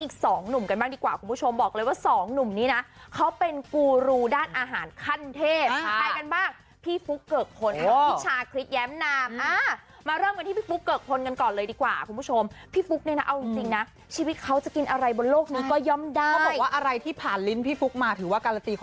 อีกสองหนุ่มกันบ้างดีกว่าคุณผู้ชมบอกเลยว่าสองหนุ่มนี้นะเขาเป็นกูรูด้านอาหารขั้นเทพใครกันบ้างพี่ฟุ๊กเกิกพลค่ะพี่ชาคริสแย้มนามมาเริ่มกันที่พี่ฟุ๊กเกิกพลกันก่อนเลยดีกว่าคุณผู้ชมพี่ฟุ๊กเนี่ยนะเอาจริงนะชีวิตเขาจะกินอะไรบนโลกนี้ก็ย่อมได้เขาบอกว่าอะไรที่ผ่านลิ้นพี่ฟุ๊กมาถือว่าการันตีค